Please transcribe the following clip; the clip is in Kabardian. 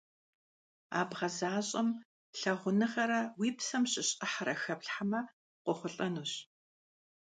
А бгъэзащӀэм лъагъуныгъэрэ уи псэм щыщ Ӏыхьэрэ хэплъхьэмэ, къохъулӀэнущ.